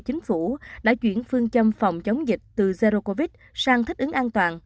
chính phủ đã chuyển phương châm phòng chống dịch từ zero covid một mươi chín sang thích ứng an toàn